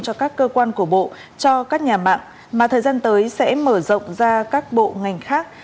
cho các cơ quan của bộ cho các nhà mạng mà thời gian tới sẽ mở rộng ra các bộ ngành khác